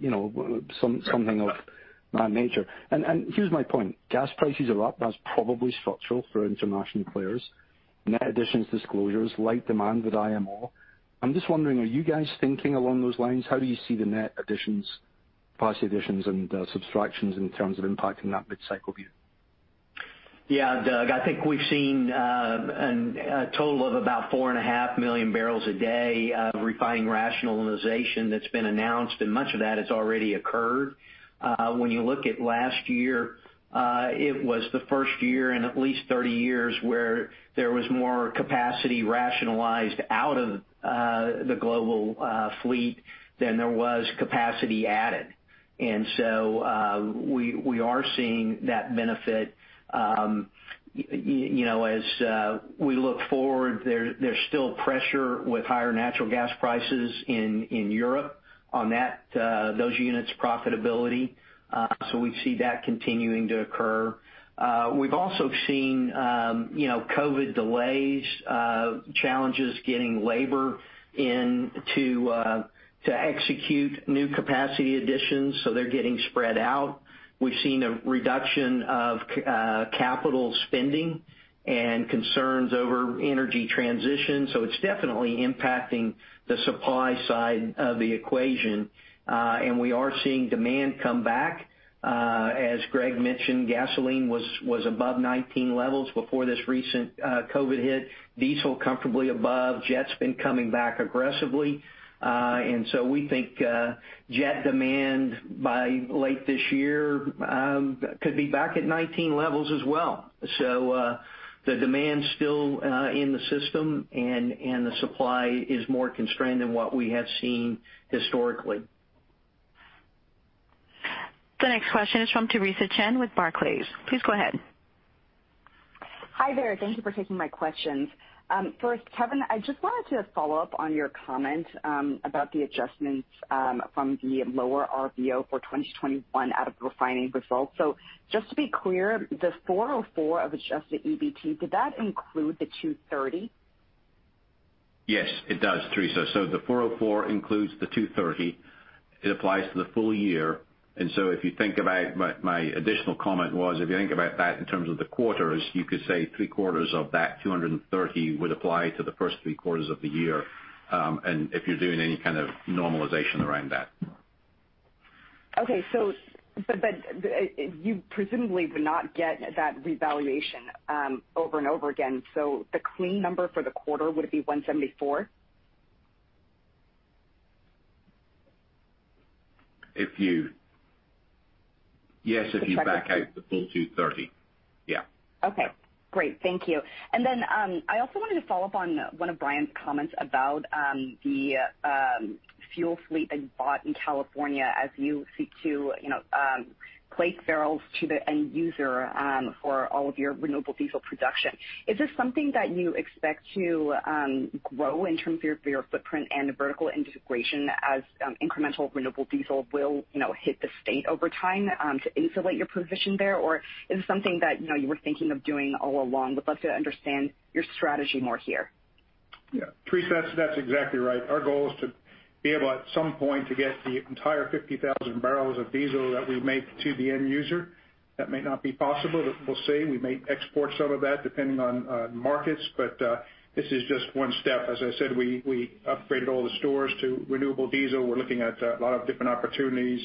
something of that nature. Here's my point. Gas prices are up. That's probably structural for international players. Net additions disclosures, light demand with IMO. I'm just wondering, are you guys thinking along those lines? How do you see the net additions, capacity additions, and subtractions in terms of impacting that mid-cycle view? Yeah, Doug, I think we've seen a total of about 4.5 million barrels a day of refining rationalization that's been announced, and much of that has already occurred. When you look at last year, it was the first year in at least 30 years where there was more capacity rationalized out of the global fleet than there was capacity added. We are seeing that benefit. As we look forward, there's still pressure with higher natural gas prices in Europe on those units' profitability. We see that continuing to occur. We've also seen, you know, COVID delays, challenges getting labor in to execute new capacity additions, so they're getting spread out. We've seen a reduction of capital spending and concerns over energy transition. It's definitely impacting the supply side of the equation. We are seeing demand come back. As Greg mentioned, gasoline was above 19 levels before this recent COVID hit. Diesel comfortably above. Jet's been coming back aggressively. We think jet demand by late this year could be back at 19 levels as well. The demand's still in the system and the supply is more constrained than what we have seen historically. The next question is from Theresa Chen with Barclays. Please go ahead. Hi there. Thank you for taking my questions. First, Kevin, I just wanted to follow up on your comment about the adjustments from the lower RVO for 2021 out of the refining results. Just to be clear, the $404 of adjusted EBIT, did that include the $230? Yes, it does, Theresa. The $404 includes the $230. It applies to the full year. My additional comment was, if you think about that in terms of the quarters, you could say three quarters of that $230 would apply to the first three quarters of the year, and if you're doing any kind of normalization around that. Okay. But you presumably would not get that revaluation over and over again. The clean number for the quarter would be $174? Yes, if you back out the full $230. Okay, great. Thank you. I also wanted to follow up on one of Brian's comments about the fuel fleet that you bought in California as you seek to place barrels to the end user for all of your renewable diesel production. Is this something that you expect to grow in terms of your footprint and vertical integration as incremental renewable diesel will hit the state over time to insulate your position there? Or is it something that you were thinking of doing all along? Would love to understand your strategy more here. Yeah, Theresa, that's exactly right. Our goal is to be able at some point to get the entire 50,000 barrels of diesel that we make to the end user. That may not be possible. We'll see. We may export some of that depending on markets, but this is just one step. As I said, we upgraded all the stores to renewable diesel. We're looking at a lot of different opportunities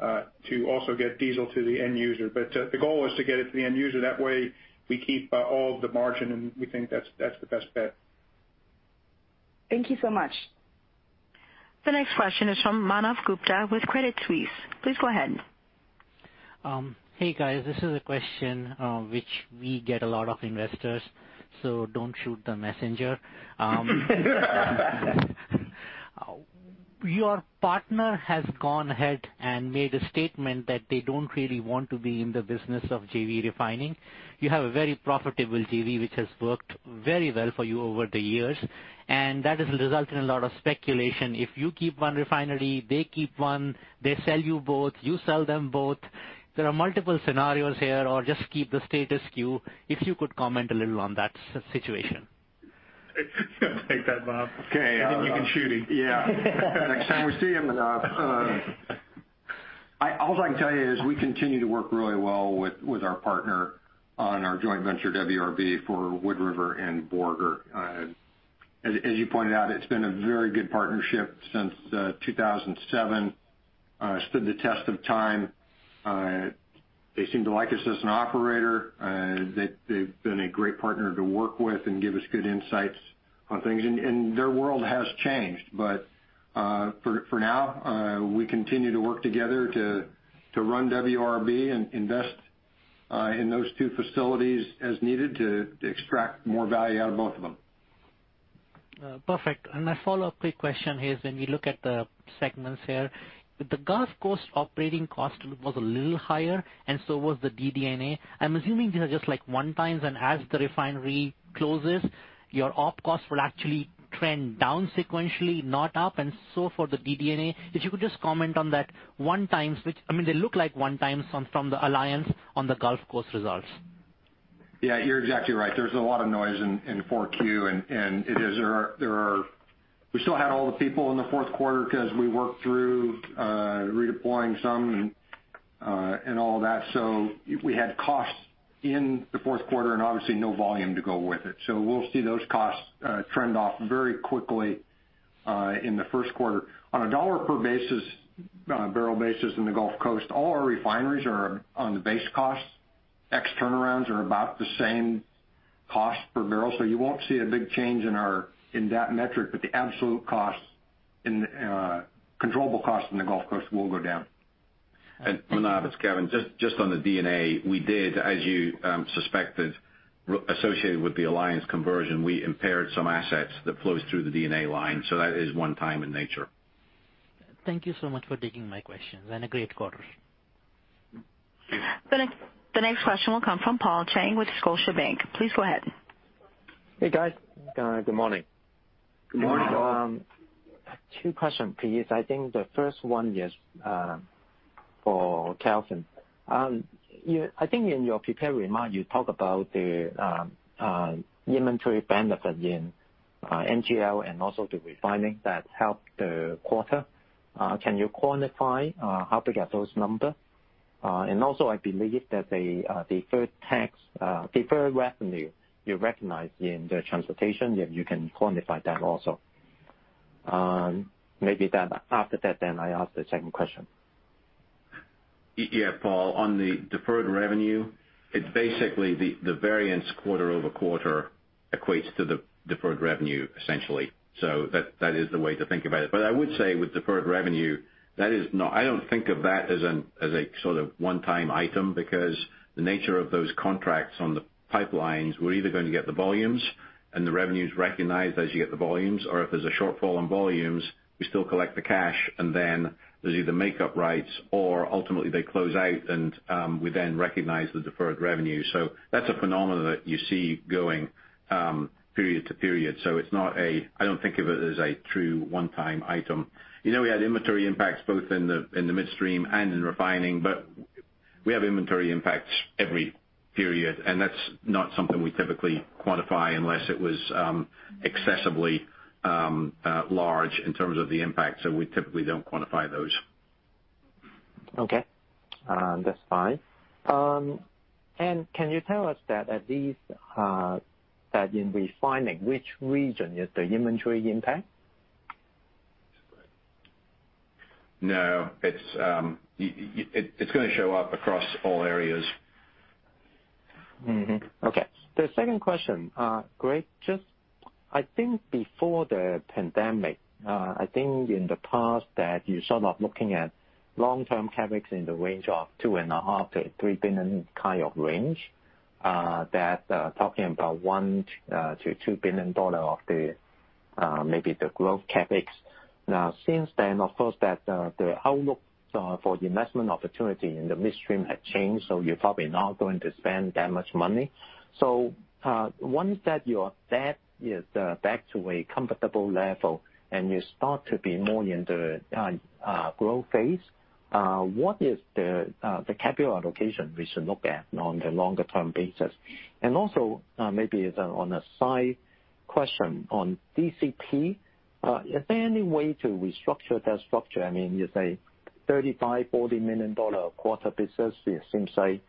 to also get diesel to the end user. But the goal is to get it to the end user. That way, we keep all the margin, and we think that's the best bet. Thank you so much. The next question is from Manav Gupta with Credit Suisse. Please go ahead. Hey, guys, this is a question which we get a lot of investors, so don't shoot the messenger. Your partner has gone ahead and made a statement that they don't really want to be in the business of JV refining. You have a very profitable JV, which has worked very well for you over the years, and that has resulted in a lot of speculation. If you keep one refinery, they keep one, they sell you both, you sell them both. There are multiple scenarios here or just keep the status quo. If you could comment a little on that situation. Take that, Bob. Okay. You can shoot him. Yeah. Next time we see him. All I can tell you is we continue to work really well with our partner on our joint venture, WRB for Wood River and Borger. As you pointed out, it's been a very good partnership since 2007. Stood the test of time. They seem to like us as an operator. They've been a great partner to work with and give us good insights on things. Their world has changed. For now, we continue to work together to run WRB and invest in those two facilities as needed to extract more value out of both of them. Perfect. A follow-up quick question here is when you look at the segments here, the Gulf Coast operating cost was a little higher, and so was the DD&A. I'm assuming these are just like one-times, and as the refinery closes, your op costs will actually trend down sequentially, not up, and so for the DD&A. If you could just comment on that one times, I mean, they look like one times from the Alliance on the Gulf Coast results. Yeah, you're exactly right. There's a lot of noise in 4Q, and we still had all the people in the fourth quarter 'cause we worked through redeploying some and all that. So we had costs in the fourth quarter and obviously no volume to go with it. So we'll see those costs trend off very quickly in the first quarter. On a dollar per barrel basis in the Gulf Coast, all our refineries are on the base costs. Ex turnarounds are about the same cost per barrel. So you won't see a big change in that metric, but the absolute costs in controllable costs in the Gulf Coast will go down. Manav, it's Kevin. Just on the D&A, we did, as you suspected, associated with the Alliance conversion, we impaired some assets that flows through the D&A line. That is one time in nature. Thank you so much for taking my questions and a great quarter. The next question will come from Paul Cheng with Scotiabank. Please go ahead. Hey, guys. Good morning. Good morning. Two questions, please. I think the first one is for Kevin. I think in your prepared remarks, you talked about the inventory benefit in NGL and also the refining that helped the quarter. Can you quantify how to get those numbers? Also I believe that the deferred tax, deferred revenue you recognized in the transportation, if you can quantify that also. Maybe then after that, I ask the second question. Yeah, Paul. On the deferred revenue, it's basically the variance quarter over quarter equates to the deferred revenue essentially. That is the way to think about it. But I would say with deferred revenue, I don't think of that as a sort of one-time item because the nature of those contracts on the pipelines, we're either gonna get the volumes and the revenues recognized as you get the volumes, or if there's a shortfall on volumes, we still collect the cash, and then there's either make up rights or ultimately they close out and we then recognize the deferred revenue. So that's a phenomenon that you see going period to period. I don't think of it as a true one-time item. We had inventory impacts both in the midstream and in refining, but we have inventory impacts every period, and that's not something we typically quantify unless it was excessively large in terms of the impact. So we typically don't quantify those. Okay. That's fine. Can you tell us at least that in refining which region is the inventory impact? No, it's gonna show up across all areas. Okay. The second question, Greg, just I think before the pandemic, I think in the past that you sort of looking at long-term CapEx in the range of $2.5 billion-$3 billion kind of range, that, talking about $1 billion-$2 billion dollar of the, maybe the growth CapEx. Now, since then, of course, that, the outlook for the investment opportunity in the midstream had changed, so you're probably not going to spend that much money. Once your debt is back to a comfortable level and you start to be more in the growth phase, what is the capital allocation we should look at on the longer-term basis? And also, maybe on a side question on DCP, is there any way to restructure that structure? I mean, $35-$40 million a quarter business, it seems like,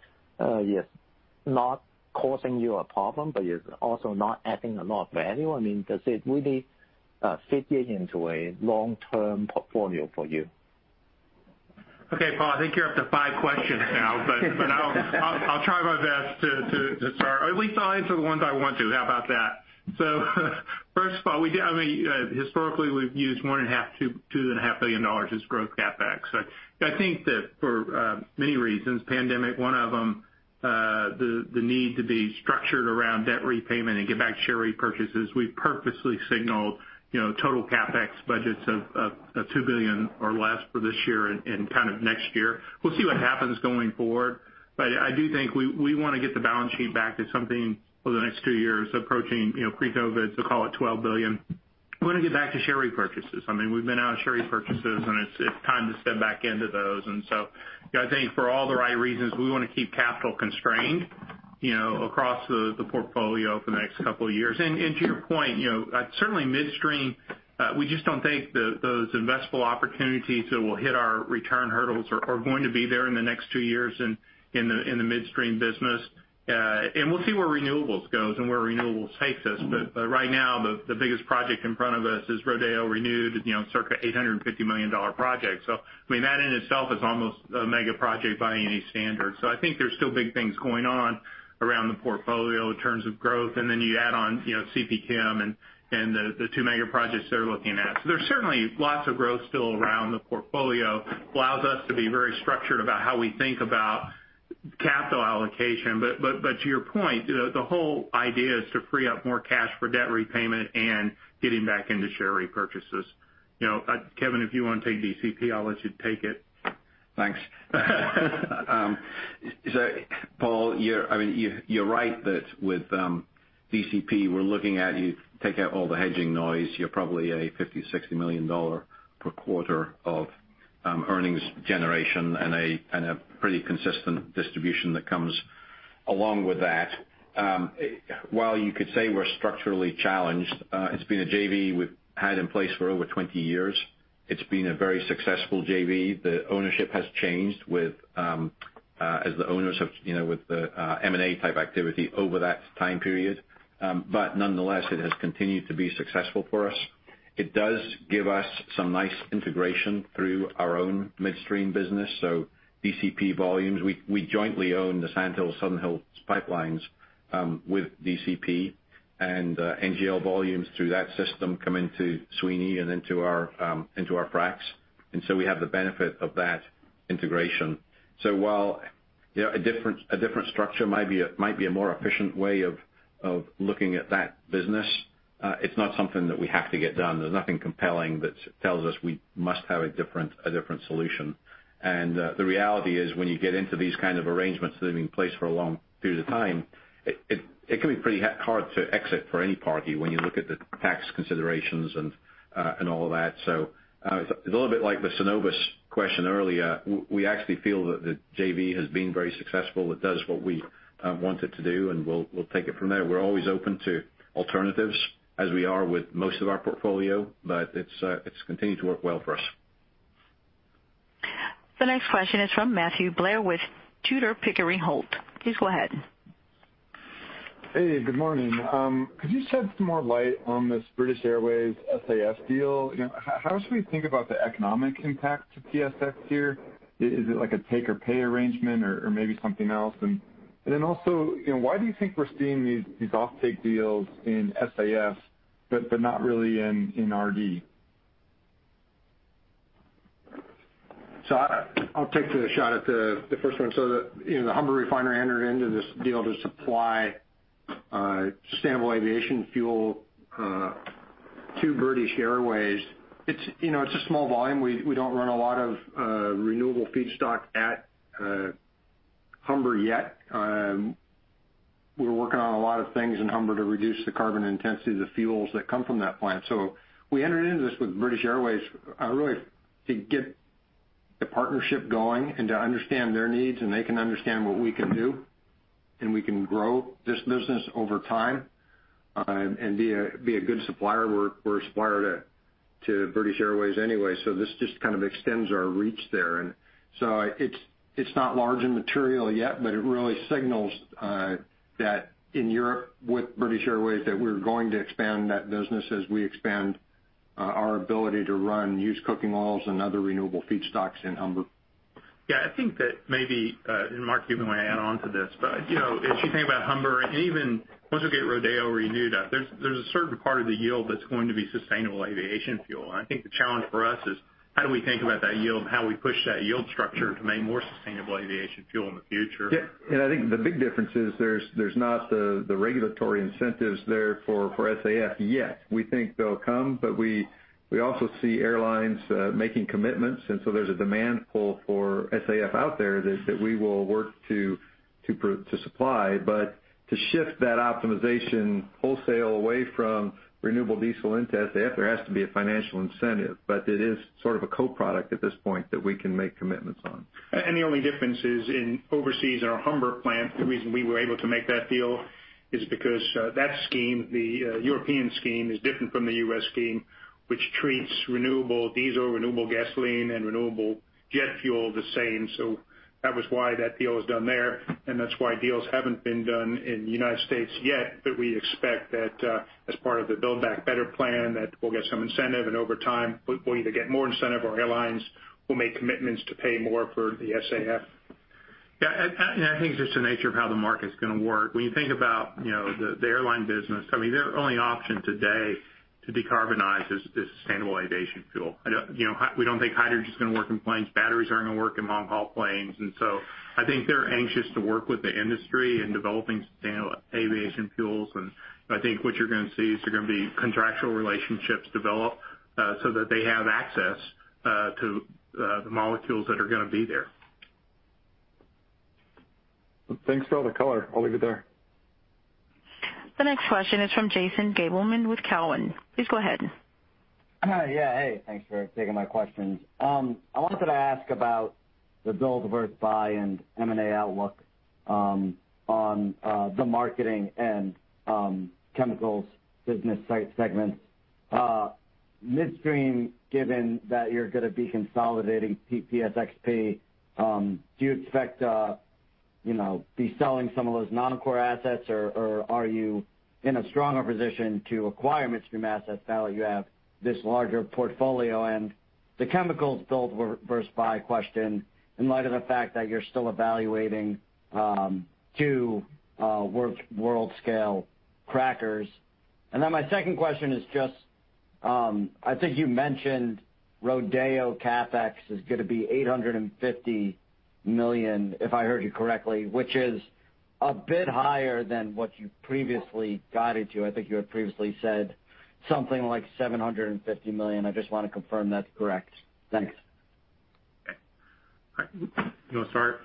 yes, not causing you a problem, but it's also not adding a lot of value. I mean, does it really fit into a long-term portfolio for you? Okay, Paul, I think you're up to five questions now. I'll try my best to start. At least answer the ones I want to. How about that? First of all, we did. I mean, historically, we've used more than $0.5-$2.5 billion as growth CapEx. I think that for many reasons, pandemic one of them, the need to be structured around debt repayment and get back share repurchases. We've purposely signaled total CapEx budgets of $2 billion or less for this year and kind of next year. We'll see what happens going forward. I do think we wanna get the balance sheet back to something for the next two years approaching, you know, pre-COVID, so call it $12 billion. We wanna get back to share repurchases. I mean, we've been out of share repurchases, and it's time to step back into those. I think for all the right reasons, we wanna keep capital constrained, you know, across the portfolio for the next couple of years. To your point certainly Midstream, we just don't think those investable opportunities that will hit our return hurdles are going to be there in the next two years in the Midstream business. We'll see where renewables goes and where renewables takes us. Right now, the biggest project in front of us is Rodeo Renewed, you know, circa $850 million project. I mean, that in itself is almost a mega project by any standard. I think there's still big things going on around the portfolio in terms of growth. Then you add on CPChem and the two mega projects they're looking at. There's certainly lots of growth still around the portfolio, allows us to be very structured about how we think about capital allocation. To your point, the whole idea is to free up more cash for debt repayment and getting back into share repurchases. You know, Kevin, if you wanna take DCP, I'll let you take it. Thanks. So Paul, I mean, you're right that with DCP, we're looking at you take out all the hedging noise, you're probably $50-$60 million per quarter of earnings generation and a pretty consistent distribution that comes along with that. While you could say we're structurally challenged, it's been a JV we've had in place for over 20 years. It's been a very successful JV. The ownership has changed with, as the owners have, with the M&A type activity over that time period. Nonetheless, it has continued to be successful for us. It does give us some nice integration through our own Midstream business. DCP volumes, we jointly own the Sand Hills Southern Hills pipelines with DCP and NGL volumes through that system come into Sweeny and into our fracs. We have the benefit of that integration. While, a different structure might be a more efficient way of looking at that business, it's not something that we have to get done. There's nothing compelling that tells us we must have a different solution. The reality is, when you get into these kind of arrangements that have been in place for a long period of time, it can be pretty hard to exit for any party when you look at the tax considerations and all of that. It's a little bit like the Cenovus question earlier. We actually feel that the JV has been very successful. It does what we want it to do, and we'll take it from there. We're always open to alternatives as we are with most of our portfolio, but it's continued to work well for us. The next question is from Matthew Blair with Tudor, Pickering, Holt. Please go ahead. Hey, good morning. Could you shed some more light on this British Airways SAF deal? How should we think about the economic impact to PSX here? Is it like a take or pay arrangement or maybe something else? Then also, you know, why do you think we're seeing these offtake deals in SAF but not really in RD? I’ll take the shot at the first one. You know, the Humber Refinery entered into this deal to supply sustainable aviation fuel to British Airways. It’s a small volume. We don’t run a lot of renewable feedstock at Humber yet. We’re working on a lot of things in Humber to reduce the carbon intensity of the fuels that come from that plant. We entered into this with British Airways really to get the partnership going and to understand their needs, and they can understand what we can do, and we can grow this business over time and be a good supplier. We’re a supplier to British Airways anyway, so this just kind of extends our reach there. It's not large in material yet, but it really signals that in Europe with British Airways, that we're going to expand that business as we expand our ability to run used cooking oils and other renewable feedstocks in Humber. Yeah, I think that maybe and Mark, you might add on to this, but if you think about Humber and even once we get Rodeo Renewed, there's a certain part of the yield that's going to be sustainable aviation fuel. I think the challenge for us is how do we think about that yield and how we push that yield structure to make more sustainable aviation fuel in the future? Yeah. I think the big difference is there's not the regulatory incentives there for SAF yet. We think they'll come, but we also see airlines making commitments, and so there's a demand pull for SAF out there that we will work to supply. To shift that optimization wholesale away from renewable diesel into SAF, there has to be a financial incentive. It is sort of a co-product at this point that we can make commitments on. The only difference is overseas, in our Humber plant, the reason we were able to make that deal is because that scheme, the European scheme, is different from the U.S. scheme, which treats renewable diesel, renewable gasoline and renewable jet fuel the same. That was why that deal was done there, and that's why deals haven't been done in the United States yet. We expect that, as part of the Build Back Better plan, that we'll get some incentive, and over time, we'll either get more incentive or airlines will make commitments to pay more for the SAF. I think it's just the nature of how the market's gonna work. When you think about, you know, the airline business, I mean, their only option today to decarbonize is sustainable aviation fuel. We don't think hydrogen's gonna work in planes. Batteries aren't gonna work in long-haul planes. I think they're anxious to work with the industry in developing sustainable aviation fuels. I think what you're gonna see is there are gonna be contractual relationships developed, so that they have access to the molecules that are gonna be there. Thanks for all the color. I'll leave it there. The next question is from Jason Gabelman with Cowen. Please go ahead. Yeah, hey, thanks for taking my questions. I wanted to ask about the build versus buy and M&A outlook on the marketing and chemicals business segments. Midstream, given that you're going to be consolidating PSXP, do you expect to be selling some of those non-core assets or are you in a stronger position to acquire midstream assets now that you have this larger portfolio? The chemicals build versus buy question, in light of the fact that you're still evaluating two world scale crackers. My second question is just, I think you mentioned Rodeo CapEx is going to be $850 million, if I heard you correctly, which is a bit higher than what you previously guided to. I think you had previously said something like $750 million. I just wanna confirm that's correct. Thanks. You wanna start?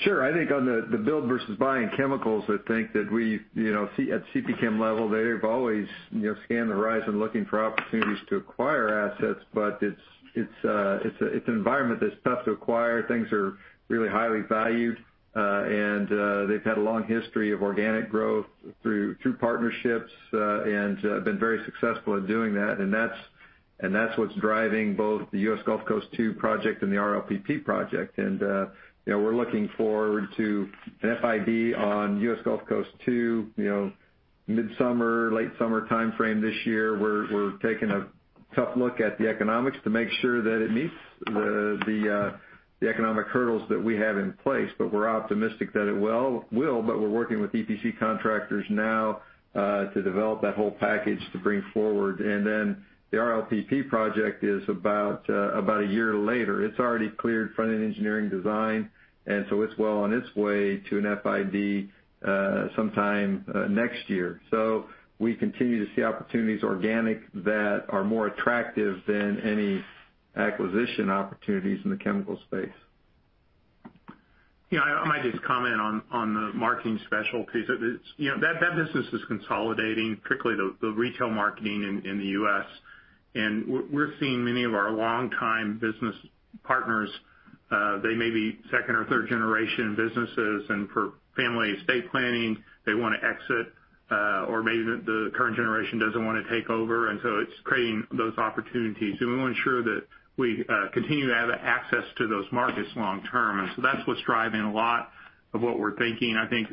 Sure. I think on the build versus buy in chemicals, I think that we, you know, at CPChem level, they've always, you know, scanned the horizon looking for opportunities to acquire assets, but it's an environment that's tough to acquire. Things are really highly valued. They've had a long history of organic growth through partnerships and been very successful in doing that. That's what's driving both the U.S. Gulf Coast II project and the RLPP project. We're looking forward to an FID on U.S. Gulf Coast II, you know, midsummer, late summer timeframe this year. We're taking a tough look at the economics to make sure that it meets the economic hurdles that we have in place. We're optimistic that it will, but we're working with EPC contractors now to develop that whole package to bring forward. The RLPP project is about a year later. It's already cleared front-end engineering design, and so it's well on its way to an FID sometime next year. We continue to see opportunities organic that are more attractive than any acquisition opportunities in the chemical space. Yeah, I might just comment on the marketing specialties. It is that business is consolidating, particularly the retail marketing in the U.S. We're seeing many of our longtime business partners, they may be second or third generation businesses, and for family estate planning, they wanna exit, or maybe the current generation doesn't wanna take over, and it's creating those opportunities. We wanna ensure that we continue to have access to those markets long term. That's what's driving a lot of what we're thinking. I think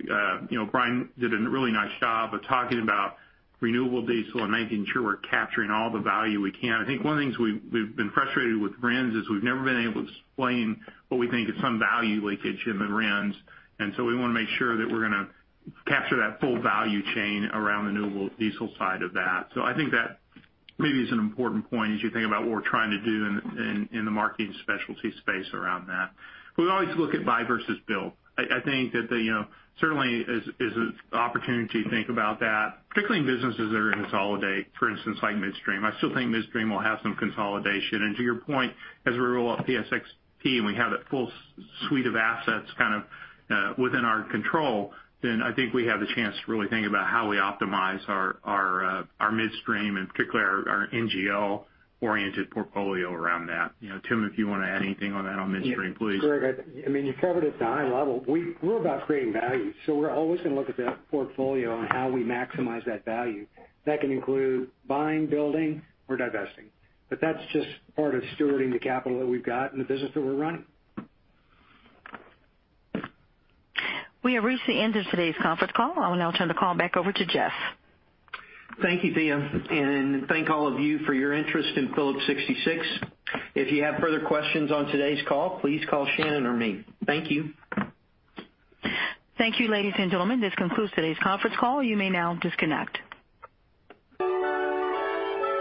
Brian did a really nice job of talking about renewable diesel and making sure we're capturing all the value we can. I think one of the things we've been frustrated with RINs is we've never been able to explain what we think is some value leakage in the RINs. We wanna make sure that we're gonna capture that full value chain around the renewable diesel side of that. I think that maybe is an important point as you think about what we're trying to do in the marketing specialty space around that. We always look at buy versus build. I think that the you know certainly is an opportunity to think about that, particularly in businesses that are gonna consolidate, for instance, like midstream. I still think midstream will have some consolidation. To your point, as we roll out PSXP, and we have that full suite of assets kind of within our control, then I think we have the chance to really think about how we optimize our midstream and particularly our NGL-oriented portfolio around that. Tim, if you wanna add anything on that, on midstream, please. Yeah, Greg, I mean, you covered it at the high level. We're about creating value, so we're always gonna look at the portfolio on how we maximize that value. That can include buying, building, or divesting. But that's just part of stewarding the capital that we've got and the business that we're running. We have reached the end of today's conference call. I will now turn the call back over to Jeff. Thank you, Thea, and thank all of you for your interest in Phillips 66. If you have further questions on today's call, please call Shannon or me. Thank you. Thank you, ladies and gentlemen. This concludes today's conference call. You may now disconnect.